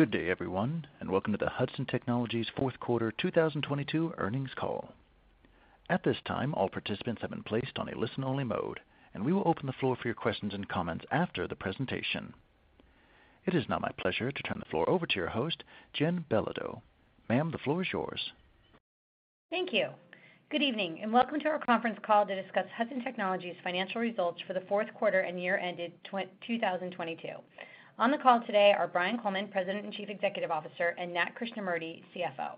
Good day, everyone, and welcome to the Hudson Technologies Fourth Quarter 2022 Earnings Call. At this time, all participants have been placed on a listen-only mode, and we will open the floor for your questions and comments after the presentation. It is now my pleasure to turn the floor over to your host, Jen Belodeau. Ma'am, the floor is yours. Thank you. Good evening, and welcome to our conference call to discuss Hudson Technologies' financial results for the fourth quarter and year ended 2022. On the call today are Brian Coleman, President and Chief Executive Officer, and Nat Krishnamurti, CFO.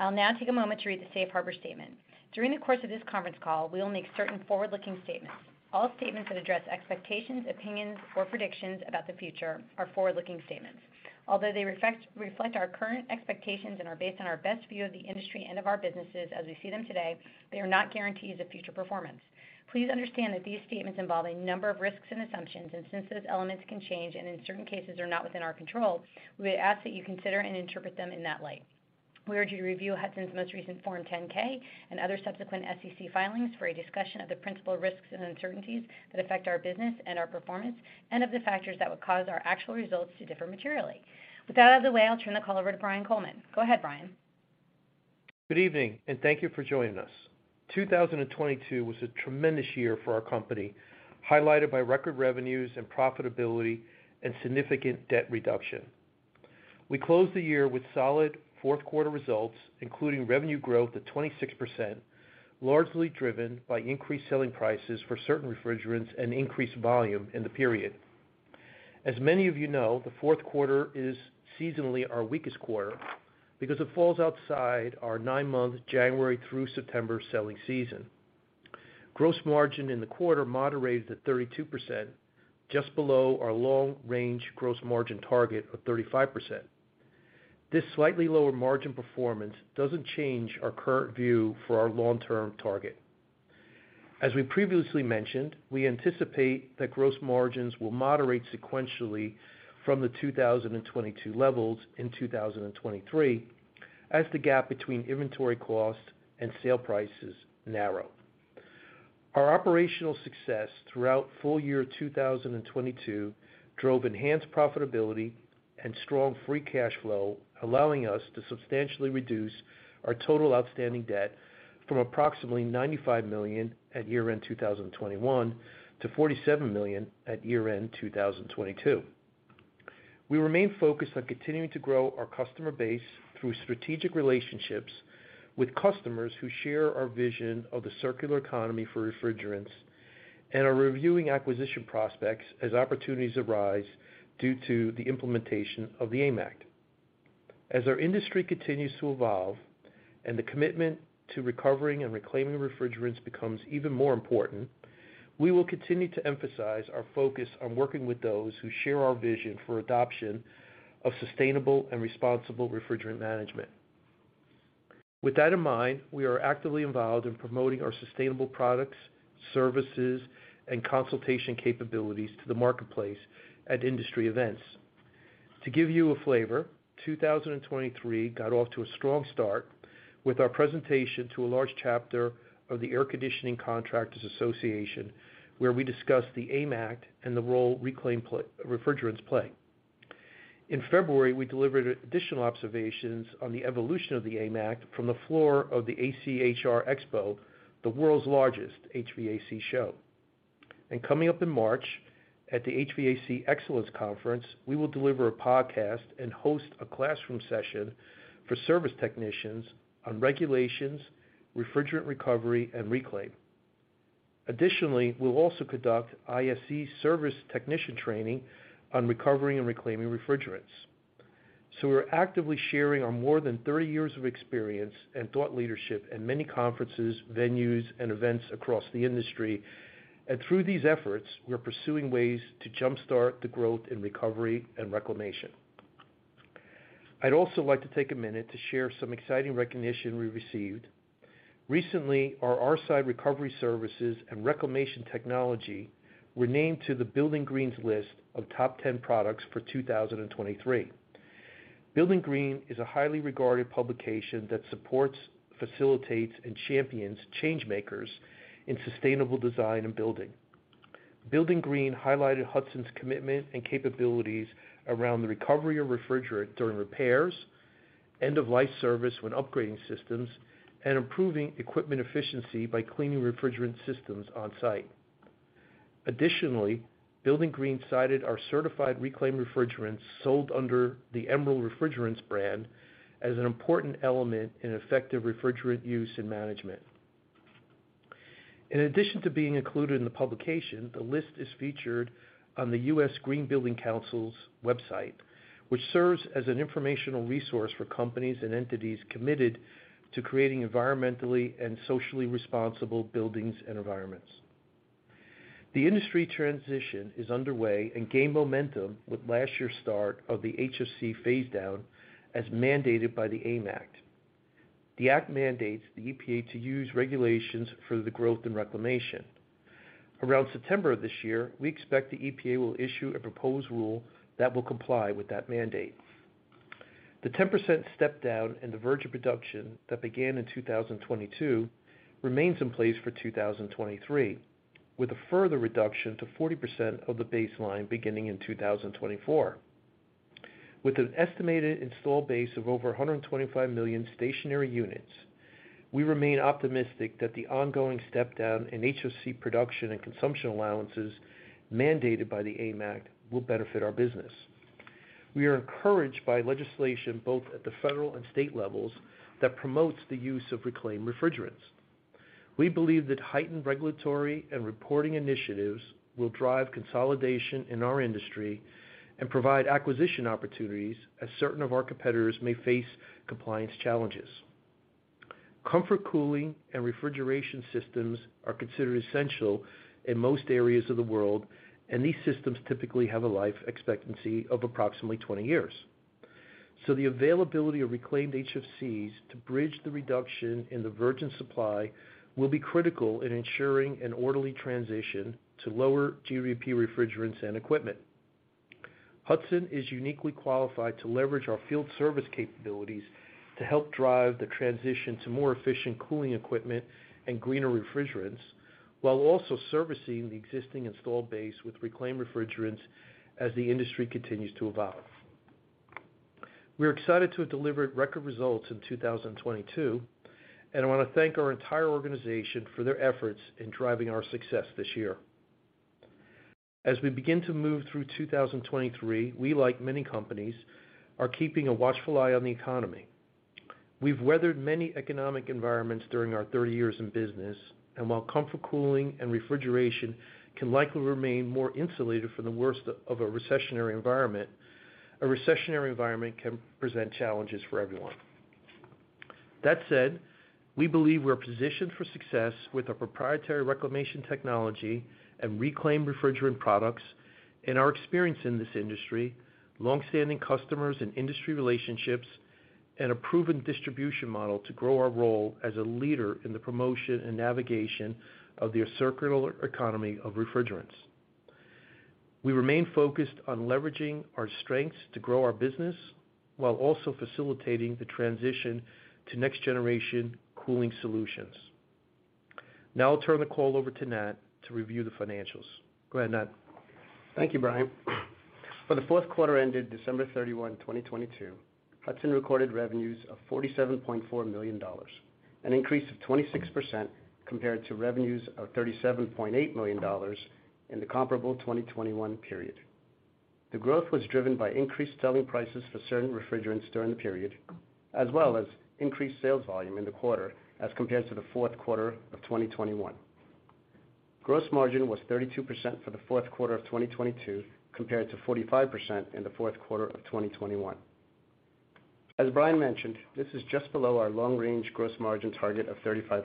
I'll now take a moment to read the Safe Harbor statement. During the course of this conference call, we will make certain forward-looking statements. All statements that address expectations, opinions, or predictions about the future are forward-looking statements. Although they reflect our current expectations and are based on our best view of the industry and of our businesses as we see them today, they are not guarantees of future performance. Please understand that these statements involve a number of risks and assumptions, and since those elements can change and in certain cases are not within our control, we would ask that you consider and interpret them in that light. We urge you to review Hudson's most recent Form 10-K and other subsequent SEC filings for a discussion of the principal risks and uncertainties that affect our business and our performance and of the factors that would cause our actual results to differ materially. With that out of the way, I'll turn the call over to Brian Coleman. Go ahead, Brian. Good evening. Thank you for joining us. 2022 was a tremendous year for our company, highlighted by record revenues and profitability and significant debt reduction. We closed the year with solid fourth quarter results, including revenue growth of 26%, largely driven by increased selling prices for certain refrigerants and increased volume in the period. As many of you know, the fourth quarter is seasonally our weakest quarter because it falls outside our nine-month, January through September selling season. Gross margin in the quarter moderated at 32%, just below our long-range gross margin target of 35%. This slightly lower margin performance doesn't change our current view for our long-term target. As we previously mentioned, we anticipate that gross margins will moderate sequentially from the 2022 levels in 2023, as the gap between inventory costs and sale prices narrow. Our operational success throughout full year 2022 drove enhanced profitability and strong free cash flow, allowing us to substantially reduce our total outstanding debt from approximately $95 million at year-end 2021 to $47 million at year-end 2022. We remain focused on continuing to grow our customer base through strategic relationships with customers who share our vision of the circular economy for refrigerants and are reviewing acquisition prospects as opportunities arise due to the implementation of the AIM Act. As our industry continues to evolve and the commitment to recovering and reclaiming refrigerants becomes even more important, we will continue to emphasize our focus on working with those who share our vision for adoption of sustainable and responsible refrigerant management. With that in mind, we are actively involved in promoting our sustainable products, services, and consultation capabilities to the marketplace at industry events. To give you a flavor, 2023 got off to a strong start with our presentation to a large chapter of the Air Conditioning Contractors Association, where we discussed the AIM Act and the role reclaimed refrigerants play. In February, we delivered additional observations on the evolution of the AIM Act from the floor of the AHR Expo, the world's largest HVAC show. Coming up in March at the HVAC Excellence Conference, we will deliver a podcast and host a classroom session for service technicians on regulations, refrigerant recovery, and reclaim. Additionally, we'll also conduct RSES service technician training on recovering and reclaiming refrigerants. We're actively sharing our more than 30 years of experience and thought leadership at many conferences, venues, and events across the industry. Through these efforts, we're pursuing ways to jumpstart the growth in recovery and reclamation. I'd also like to take a minute to share some exciting recognition we received. Recently, our R-Side recovery services and reclamation technology were named to the BuildingGreen's list of top 10 products for 2023. BuildingGreen is a highly regarded publication that supports, facilitates, and champions changemakers in sustainable design and building. BuildingGreen highlighted Hudson's commitment and capabilities around the recovery of refrigerant during repairs, end-of-life service when upgrading systems, and improving equipment efficiency by cleaning refrigerant systems on-site. BuildingGreen cited our certified reclaimed refrigerants sold under the EMERALD Refrigerants brand as an important element in effective refrigerant use and management. In addition to being included in the publication, the list is featured on the U.S. Green Building Council's website, which serves as an informational resource for companies and entities committed to creating environmentally and socially responsible buildings and environments. The industry transition is underway and gained momentum with last year's start of the HFC phase down as mandated by the AIM Act. The act mandates the EPA to use regulations for the growth and reclamation. Around September of this year, we expect the EPA will issue a proposed rule that will comply with that mandate. The 10% step down in the virgin production that began in 2022 remains in place for 2023. With a further reduction to 40% of the baseline beginning in 2024. With an estimated install base of over 125 million stationary units, we remain optimistic that the ongoing step down in HFC production and consumption allowances mandated by the AIM Act will benefit our business. We are encouraged by legislation both at the federal and state levels that promotes the use of reclaimed refrigerants. We believe that heightened regulatory and reporting initiatives will drive consolidation in our industry and provide acquisition opportunities as certain of our competitors may face compliance challenges. Comfort cooling and refrigeration systems are considered essential in most areas of the world. These systems typically have a life expectancy of approximately 20 years. The availability of reclaimed HFCs to bridge the reduction in the virgin supply will be critical in ensuring an orderly transition to lower GWP refrigerants and equipment. Hudson is uniquely qualified to leverage our field service capabilities to help drive the transition to more efficient cooling equipment and greener refrigerants, while also servicing the existing installed base with reclaimed refrigerants as the industry continues to evolve. We are excited to have delivered record results in 2022. I want to thank our entire organization for their efforts in driving our success this year. As we begin to move through 2023, we, like many companies, are keeping a watchful eye on the economy. We've weathered many economic environments during our 30 years in business, and while comfort, cooling, and refrigeration can likely remain more insulated from the worst of a recessionary environment, a recessionary environment can present challenges for everyone. That said, we believe we're positioned for success with our proprietary reclamation technology and reclaimed refrigerant products and our experience in this industry, long-standing customers and industry relationships, and a proven distribution model to grow our role as a leader in the promotion and navigation of the circular economy of refrigerants. We remain focused on leveraging our strengths to grow our business while also facilitating the transition to next generation cooling solutions. Now I'll turn the call over to Nat to review the financials. Go ahead, Nat. Thank you, Brian. For the fourth quarter ended December 31, 2022, Hudson recorded revenues of $47.4 million, an increase of 26% compared to revenues of $37.8 million in the comparable 2021 period. The growth was driven by increased selling prices for certain refrigerants during the period, as well as increased sales volume in the quarter as compared to the fourth quarter of 2021. Gross margin was 32% for the fourth quarter of 2022, compared to 45% in the fourth quarter of 2021. As Brian mentioned, this is just below our long-range gross margin target of 35%.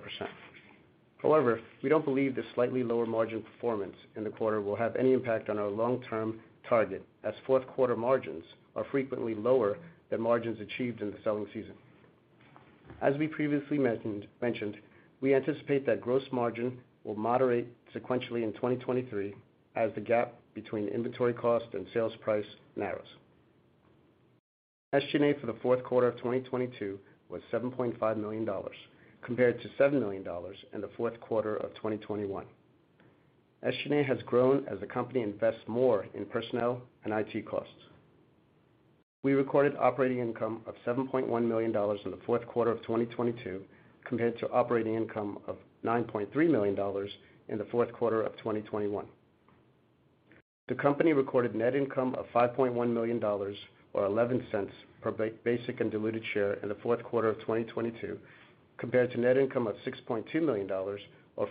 However, we don't believe this slightly lower margin performance in the quarter will have any impact on our long-term target, as fourth quarter margins are frequently lower than margins achieved in the selling season. As we previously mentioned, we anticipate that gross margin will moderate sequentially in 2023 as the gap between inventory cost and sales price narrows. SG&A for the fourth quarter of 2022 was $7.5 million, compared to $7 million in the fourth quarter of 2021. SG&A has grown as the company invests more in personnel and IT costs. We recorded operating income of $7.1 million in the fourth quarter of 2022 compared to operating income of $9.3 million in the fourth quarter of 2021. The company recorded net income of $5.1 million, or $0.11 per basic and diluted share in the fourth quarter of 2022 compared to net income of $6.2 million or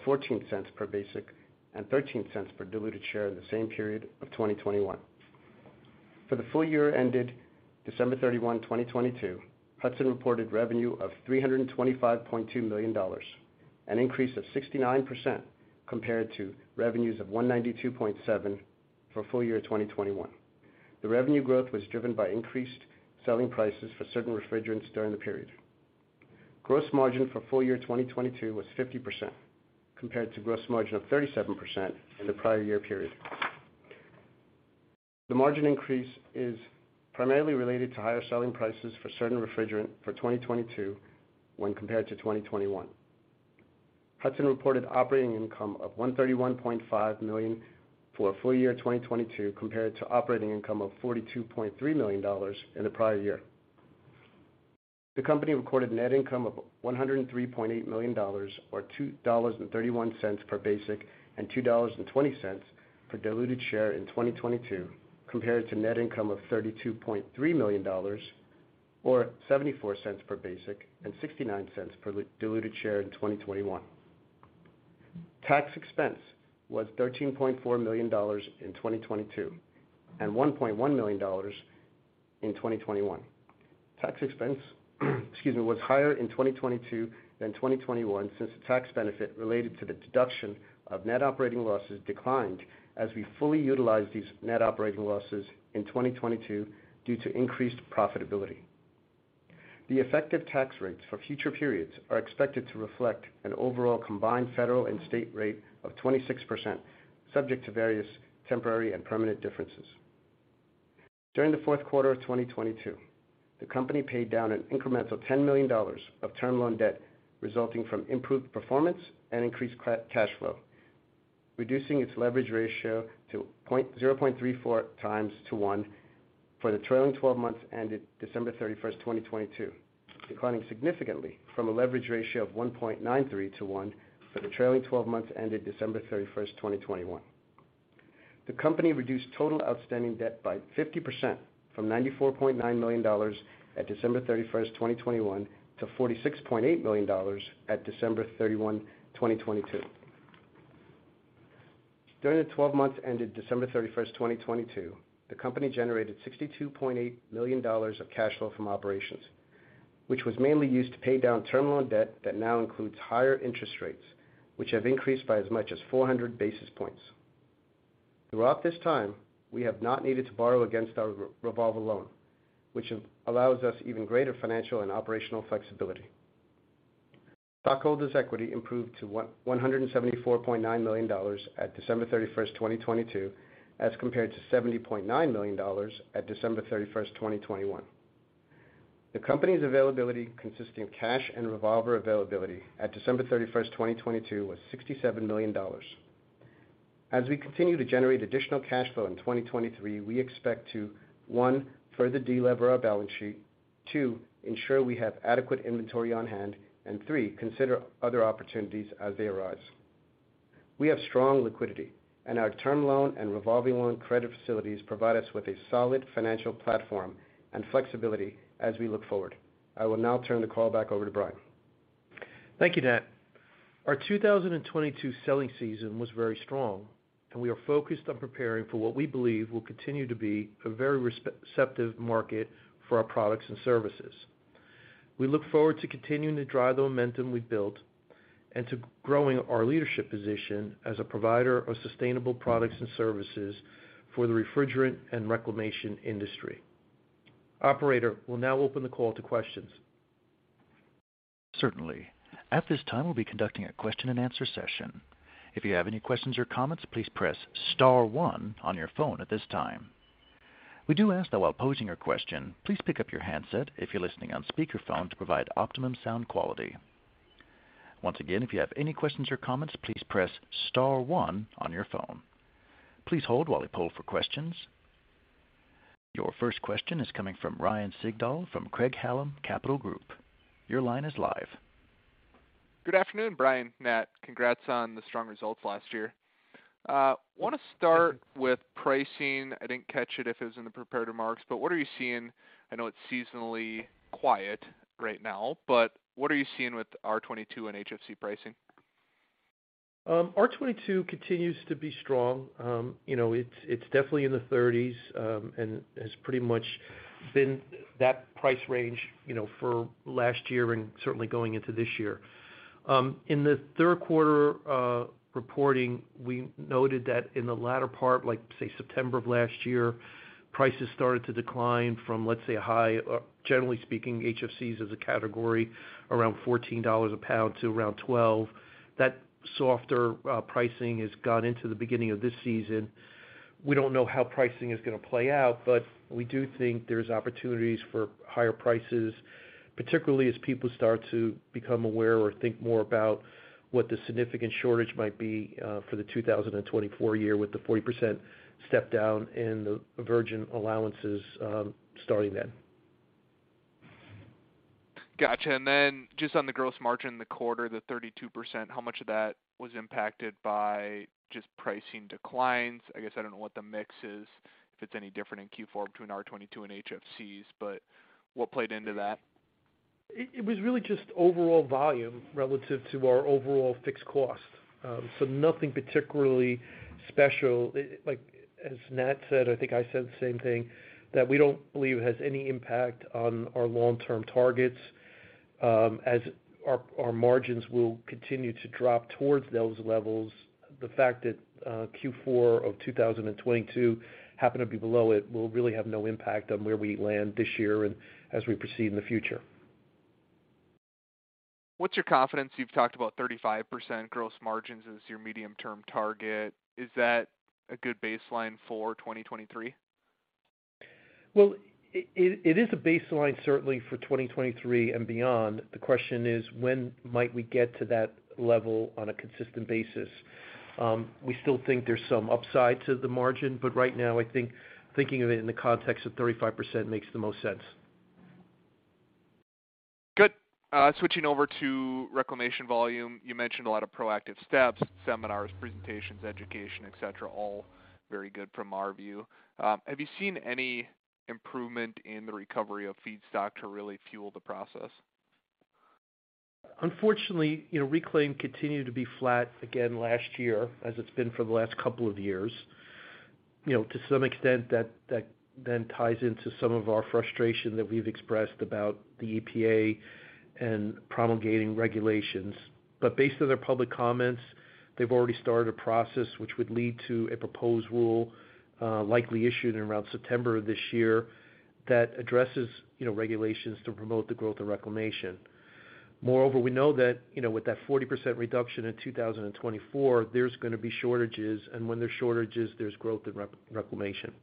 $0.14 per basic and $0.13 per diluted share in the same period of 2021. For the full year ended December 31, 2022, Hudson reported revenue of $325.2 million, an increase of 69% compared to revenues of $192.7 million for full year 2021. The revenue growth was driven by increased selling prices for certain refrigerants during the period. Gross margin for full year 2022 was 50% compared to gross margin of 37% in the prior year period. The margin increase is primarily related to higher selling prices for certain refrigerant for 2022 when compared to 2021. Hudson Technologies reported operating income of $131.5 million for full year 2022 compared to operating income of $42.3 million in the prior year. The company recorded net income of $103.8 million or $2.31 per basic and $2.20 per diluted share in 2022 compared to net income of $32.3 million or $0.74 per basic and $0.69 per diluted share in 2021. Tax expense was $13.4 million in 2022 and $1.1 million in 2021. Tax expense, excuse me, was higher in 2022 than 2021 since the tax benefit related to the deduction of net operating losses declined as we fully utilized these net operating losses in 2022 due to increased profitability. The effective tax rates for future periods are expected to reflect an overall combined federal and state rate of 26%, subject to various temporary and permanent differences. During the fourth quarter of 2022, the company paid down an incremental $10 million of term loan debt resulting from improved performance and increased cash flow, reducing its leverage ratio to 0.34 times to 1 for the trailing 12 months ended December 31, 2022, declining significantly from a leverage ratio of 1.93 to 1 for the trailing 12 months ended December 31, 2021. The company reduced total outstanding debt by 50% from $94.9 million at December 31st, 2021, to $46.8 million at December 31, 2022. During the 12 months ended December 31st, 2022, the company generated $62.8 million of cash flow from operations, which was mainly used to pay down term loan debt that now includes higher interest rates, which have increased by as much as 400 basis points. Throughout this time, we have not needed to borrow against our revolving loan, which allows us even greater financial and operational flexibility. Stockholders' equity improved to $174.9 million at December 31st, 2022, as compared to $70.9 million at December 31st, 2021. The company's availability, consisting of cash and revolver availability at December 31, 2022, was $67 million. As we continue to generate additional cash flow in 2023, we expect to, one, further delever our balance sheet, two, ensure we have adequate inventory on hand, and three, consider other opportunities as they arise. We have strong liquidity, and our term loan and revolving loan credit facilities provide us with a solid financial platform and flexibility as we look forward. I will now turn the call back over to Brian. Thank you, Nat. Our 2022 selling season was very strong, and we are focused on preparing for what we believe will continue to be a very receptive market for our products and services. We look forward to continuing to drive the momentum we've built and to growing our leadership position as a provider of sustainable products and services for the refrigerant and reclamation industry. Operator, we'll now open the call to questions. Certainly. At this time, we'll be conducting a question-and-answer session. If you have any questions or comments, please press star one on your phone at this time. We do ask that while posing your question, please pick up your handset if you're listening on speakerphone to provide optimum sound quality. Once again, if you have any questions or comments, please press star one on your phone. Please hold while we poll for questions. Your first question is coming from Ryan Sigdahl from Craig-Hallum Capital Group. Your line is live. Good afternoon, Brian, Nat. Congrats on the strong results last year. Wanna start with pricing. I didn't catch it if it was in the prepared remarks, but what are you seeing? I know it's seasonally quiet right now, but what are you seeing with R-22 and HFC pricing? R-22 continues to be strong. It's definitely in the 30s and has pretty much been that price range for last year and certainly going into this year. In the third quarter reporting, we noted that in the latter part, September of last year, prices started to decline from a high, generally speaking, HFCs as a category, around $14 a pound to around $12. That softer pricing has gone into the beginning of this season. We don't know how pricing is gonna play out, but we do think there's opportunities for higher prices, particularly as people start to become aware or think more about what the significant shortage might be for the 2024 year with the 40% step-down in the virgin allowances starting then. Gotcha. Just on the gross margin in the quarter, the 32%, how much of that was impacted by just pricing declines? I guess I don't know what the mix is, if it's any different in Q4 between R-22 and HFCs, but what played into that? It was really just overall volume relative to our overall fixed cost. nothing particularly special. Like, as Nat said, I think I said the same thing, that we don't believe it has any impact on our long-term targets, as our margins will continue to drop towards those levels. The fact that Q4 of 2022 happened to be below it will really have no impact on where we land this year and as we proceed in the future. What's your confidence? You've talked about 35% gross margins as your medium-term target. Is that a good baseline for 2023? Well, it is a baseline certainly for 2023 and beyond. The question is, when might we get to that level on a consistent basis? We still think there's some upside to the margin, but right now, I think thinking of it in the context of 35% makes the most sense. Good. Switching over to reclamation volume, you mentioned a lot of proactive steps, seminars, presentations, education, et cetera, all very good from our view. Have you seen any improvement in the recovery of feedstock to really fuel the process? Unfortunately, you know, reclaim continued to be flat again last year, as it's been for the last couple of years. You know, to some extent, that then ties into some of our frustration that we've expressed about the EPA and promulgating regulations. Based on their public comments, they've already started a process which would lead to a proposed rule, likely issued in around September of this year. That addresses, you know, regulations to promote the growth of reclamation. Moreover, we know that, you know, with that 40% reduction in 2024, there's gonna be shortages, and when there's shortages, there's growth and reclamation.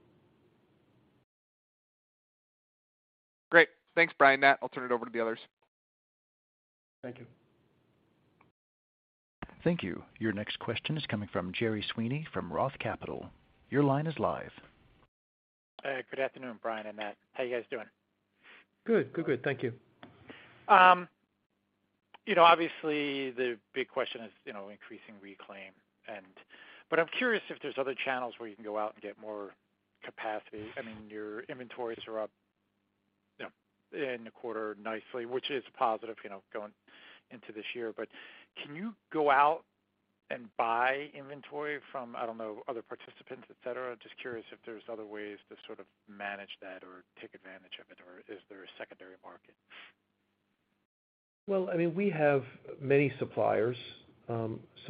Great. Thanks, Brian. And, I'll turn it over to the others. Thank you. Thank you. Your next question is coming from Gerry Sweeney from Roth Capital. Your line is live. Good afternoon, Brian and Nat. How you guys doing? Good. Good, good. Thank you. You know, obviously the big question is, you know, increasing reclaim and... I'm curious if there's other channels where you can go out and get more capacity. I mean, your inventories are up, you know, in the quarter nicely, which is positive, you know, going into this year. Can you go out and buy inventory from, I don't know, other participants, et cetera? Just curious if there's other ways to sort of manage that or take advantage of it, or is there a secondary market? Well, I mean, we have many suppliers,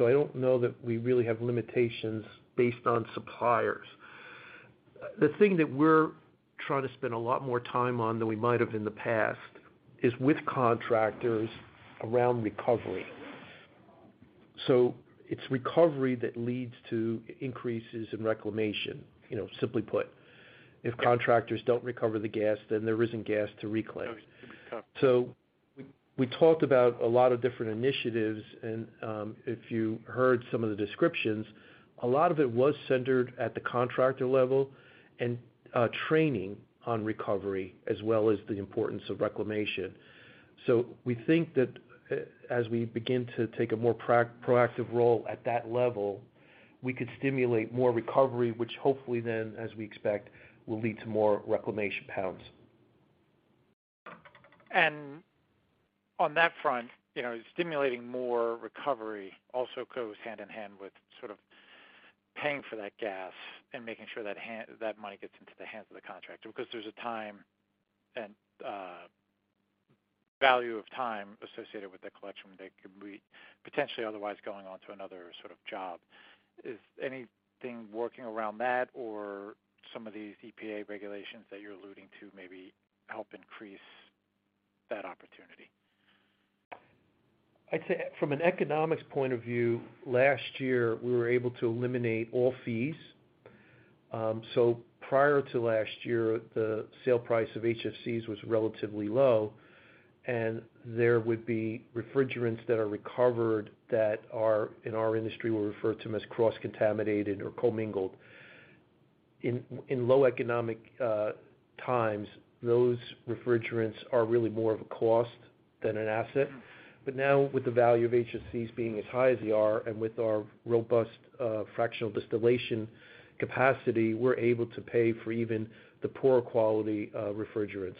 I don't know that we really have limitations based on suppliers. The thing that we're trying to spend a lot more time on than we might have in the past is with contractors around recovery. It's recovery that leads to increases in reclamation, you know, simply put. If contractors don't recover the gas, then there isn't gas to reclaim. Okay. Copy. We talked about a lot of different initiatives, and if you heard some of the descriptions, a lot of it was centered at the contractor level and training on recovery, as well as the importance of reclamation. We think that as we begin to take a more proactive role at that level, we could stimulate more recovery, which hopefully then, as we expect, will lead to more reclamation pounds. On that front, you know, stimulating more recovery also goes hand in hand with sort of paying for that gas and making sure that money gets into the hands of the contractor because there's a time and value of time associated with the collection that could be potentially otherwise going on to another sort of job. Is anything working around that or some of these EPA regulations that you're alluding to maybe help increase that opportunity? I'd say from an economics point of view, last year, we were able to eliminate all fees. Prior to last year, the sale price of HFCs was relatively low, and there would be refrigerants that are recovered that are, in our industry, we refer to them as cross-contaminated or commingled. In low economic times, those refrigerants are really more of a cost than an asset. Now with the value of HFCs being as high as they are and with our robust fractional distillation capacity, we're able to pay for even the poor quality refrigerants.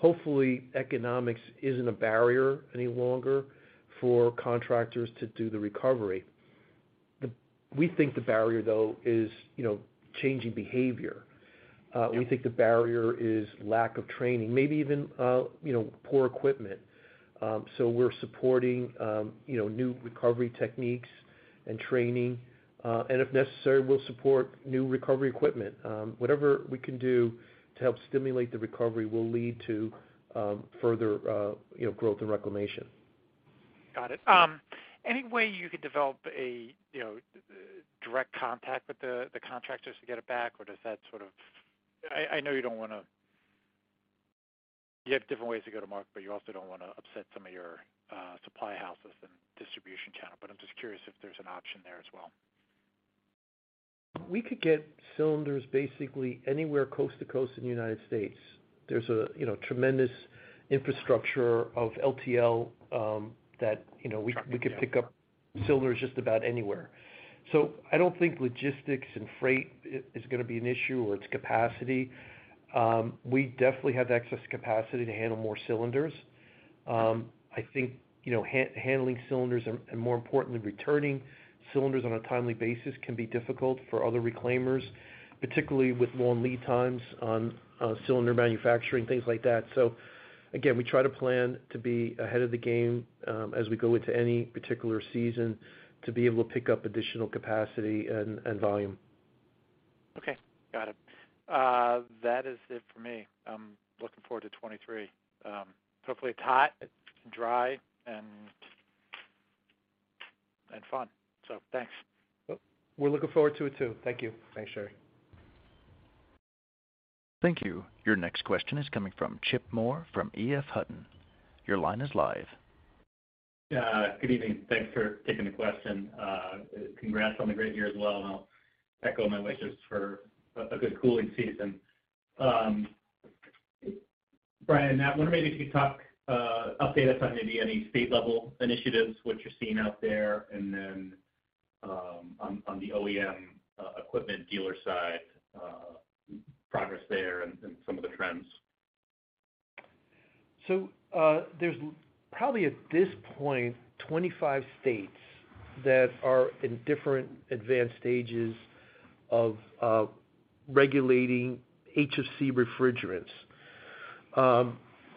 Hopefully, economics isn't a barrier any longer for contractors to do the recovery. We think the barrier, though, is, you know, changing behavior. We think the barrier is lack of training, maybe even, you know, poor equipment. We're supporting, you know, new recovery techniques and training, and if necessary, we'll support new recovery equipment. Whatever we can do to help stimulate the recovery will lead to further, you know, growth and reclamation. Got it. Any way you could develop a, you know, direct contact with the contractors to get it back? Does that sort of... I know you don't wanna... You have different ways to go to market, but you also don't wanna upset some of your supply houses and distribution channel, but I'm just curious if there's an option there as well? We could get cylinders basically anywhere coast to coast in the United States. There's a, you know, tremendous infrastructure of LTL that, you know. Truck, yeah. We could pick up cylinders just about anywhere. I don't think logistics and freight is gonna be an issue or it's capacity. We definitely have the excess capacity to handle more cylinders. I think, you know, handling cylinders and more importantly, returning cylinders on a timely basis can be difficult for other reclaimers, particularly with long lead times on cylinder manufacturing, things like that. Again, we try to plan to be ahead of the game as we go into any particular season to be able to pick up additional capacity and volume. Okay. Got it. That is it for me. I'm looking forward to 2023. Hopefully it's hot, dry and fun. Thanks. We're looking forward to it too. Thank you. Thanks, Gerry. Thank you. Your next question is coming from Chip Moore from EF Hutton. Your line is live. Good evening. Thanks for taking the question. Congrats on the great year as well, and I'll echo my wishes for a good cooling season. Brian and Nat, wonder maybe if you talk, update us on maybe any state level initiatives, what you're seeing out there, and then, on the OEM equipment dealer side, progress there and some of the trends. There's probably at this point, 25 states that are in different advanced stages of regulating HFC refrigerants.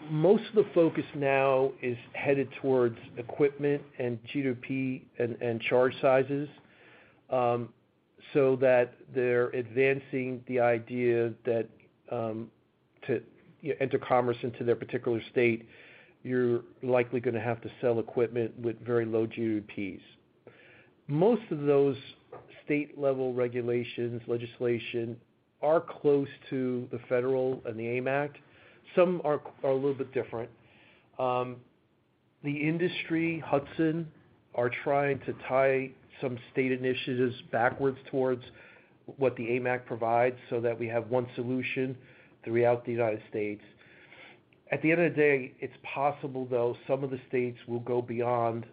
Most of the focus now is headed towards equipment and GWP and charge sizes, so that they're advancing the idea that to enter commerce into their particular state, you're likely gonna have to sell equipment with very low GWPs. Most of those state level regulations, legislation are close to the federal and the AIM Act. Some are a little bit different. The industry, Hudson are trying to tie some state initiatives backwards towards what the AIM Act provides so that we have one solution throughout the United States. At the end of the day, it's possible though some of the states will go beyond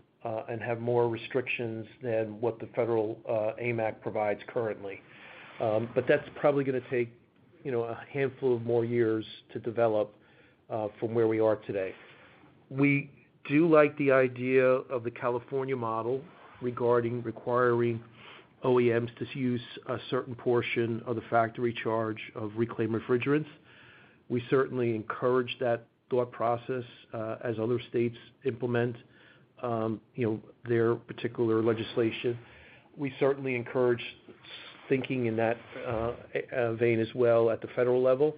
and have more restrictions than what the federal AIM Act provides currently. That's probably gonna take, you know, a handful of more years to develop from where we are today. We do like the idea of the California model regarding requiring OEMs to use a certain portion of the factory charge of reclaimed refrigerants. We certainly encourage that thought process as other states implement, you know, their particular legislation. We certainly encourage thinking in that vein as well at the federal level.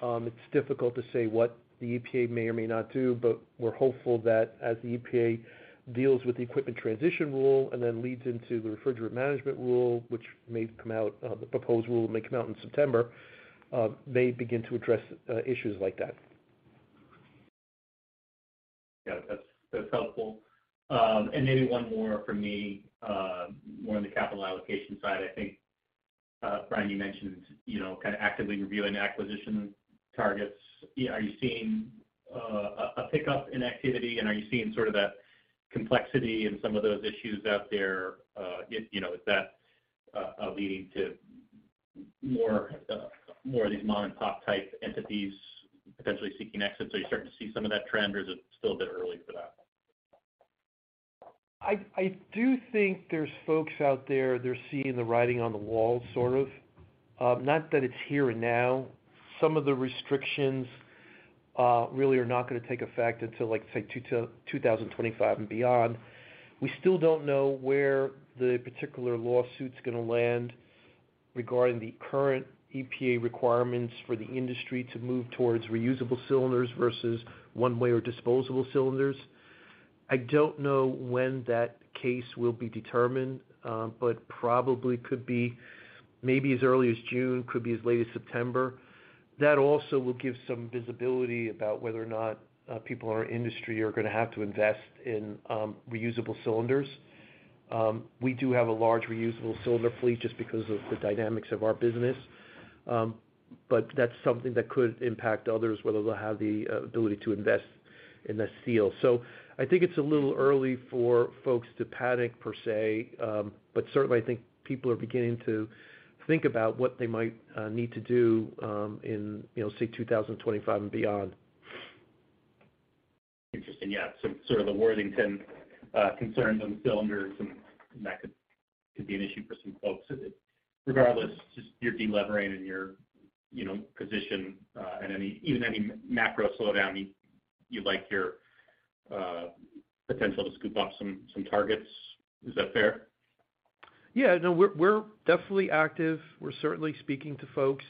It's difficult to say what the EPA may or may not do. We're hopeful that as the EPA deals with the Equipment Transition Rule and then leads into the Refrigerant Management Rule, which may come out, the proposed rule may come out in September, they begin to address issues like that. Yeah, that's helpful. maybe one more from me, more on the capital allocation side. I think, Brian, you mentioned, you know, kinda actively reviewing acquisition targets. Are you seeing a pickup in activity, and are you seeing sort of that complexity in some of those issues out there? if, you know, is that leading to more of these mom-and-pop type entities potentially seeking exit? Are you starting to see some of that trend, or is it still a bit early for that? I do think there's folks out there, they're seeing the writing on the wall, sort of. Not that it's here and now. Some of the restrictions, really are not gonna take effect until, like, say 2025 and beyond. We still don't know where the particular lawsuit's gonna land regarding the current EPA requirements for the industry to move towards reusable cylinders versus one-way or disposable cylinders. I don't know when that case will be determined, but probably could be maybe as early as June, could be as late as September. That also will give some visibility about whether or not, people in our industry are gonna have to invest in, reusable cylinders. We do have a large reusable cylinder fleet just because of the dynamics of our business. That's something that could impact others, whether they'll have the ability to invest in that steel. I think it's a little early for folks to panic per se, but certainly I think people are beginning to think about what they might need to do, in, you know, say 2025 and beyond. Interesting. Yeah. Sort of the Worthington concern on cylinders and that could be an issue for some folks. Regardless, you're de-levering and your, you know, position, even any macro slowdown, you like your potential to scoop up some targets. Is that fair? Yeah. No, we're definitely active. We're certainly speaking to folks.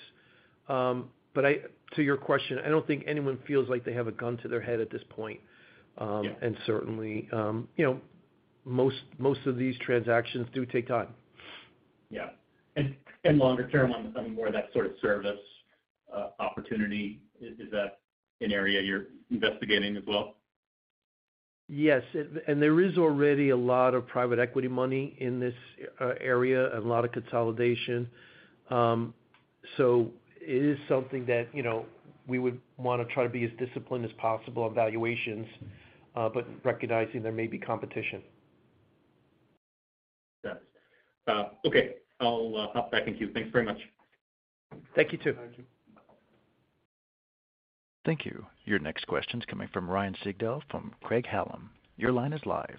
To your question, I don't think anyone feels like they have a gun to their head at this point. Yeah. Certainly, you know, most of these transactions do take time. Yeah. And longer term on more of that sort of service, opportunity, is that an area you're investigating as well? Yes. There is already a lot of private equity money in this area and a lot of consolidation. It is something that, you know, we would wanna try to be as disciplined as possible on valuations, but recognizing there may be competition. Yes. Okay. I'll hop back in queue. Thank you very much. Thank you, too. Thank you. Thank you. Your next question's coming from Ryan Sigdahl from Craig-Hallum. Your line is live.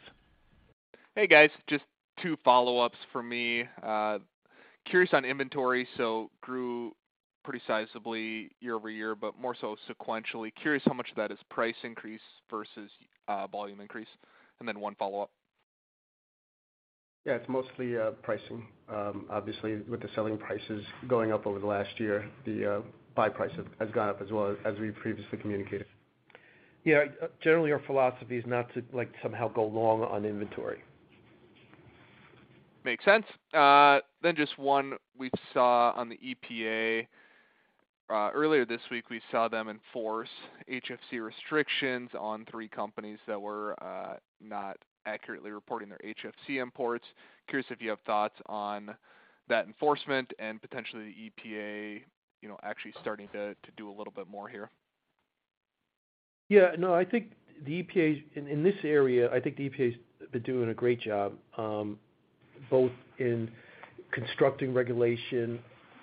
Hey, guys. Just two follow-ups for me. Curious on inventory. Grew pretty sizably year-over-year, but more so sequentially. Curious how much of that is price increase versus volume increase. Then one follow-up. It's mostly pricing. Obviously with the selling prices going up over the last year, the buy price has gone up as well as we previously communicated. Generally our philosophy is not to like somehow go long on inventory. Makes sense. Just one. We saw on the EPA earlier this week, we saw them enforce HFC restrictions on three companies that were not accurately reporting their HFC imports. Curious if you have thoughts on that enforcement and potentially the EPA, you know, actually starting to do a little bit more here? No, I think the EPA's In this area, I think the EPA's been doing a great job, both in constructing regulation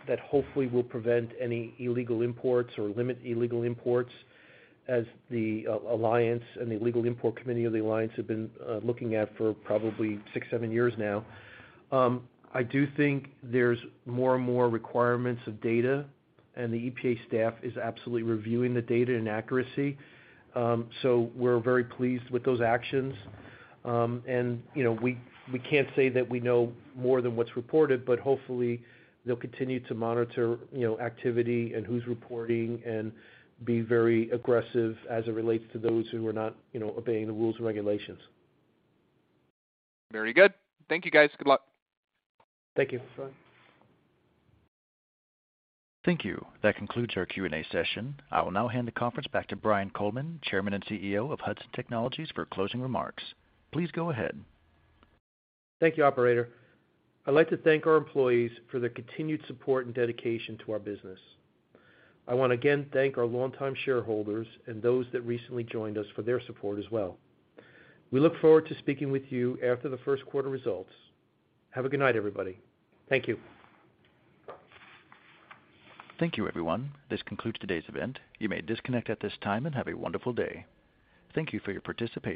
that hopefully will prevent any illegal imports or limit illegal imports as the alliance and the illegal import committee of the alliance have been looking at for probably six, seven years now. I do think there's more and more requirements of data, and the EPA staff is absolutely reviewing the data and accuracy. We're very pleased with those actions. You know, we can't say that we know more than what's reported, but hopefully they'll continue to monitor, you know, activity and who's reporting and be very aggressive as it relates to those who are not, you know, obeying the rules and regulations. Very good. Thank you, guys. Good luck. Thank you. Thanks, bye. Thank you. That concludes our Q&A session. I will now hand the conference back to Brian Coleman, Chairman and CEO of Hudson Technologies, for closing remarks. Please go ahead. Thank you, operator. I'd like to thank our employees for their continued support and dedication to our business. I wanna again thank our longtime shareholders and those that recently joined us for their support as well. We look forward to speaking with you after the first quarter results. Have a good night, everybody. Thank you. Thank you, everyone. This concludes today's event. You may disconnect at this time, and have a wonderful day. Thank you for your participation.